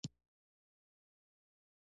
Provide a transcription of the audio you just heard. د سپاه پاسداران ځواک ډیر قوي دی.